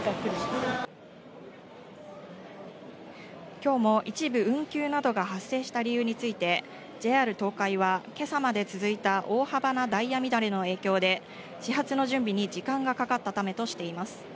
きょうも一部運休などが発生した理由について、ＪＲ東海は、今朝まで続いた大幅なダイヤ乱れの影響で、始発の準備に時間がかかったためとしています。